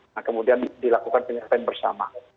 nah kemudian dilakukan penyelesaian bersama